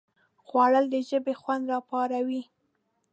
خوړل د ژبې خوند راپاروي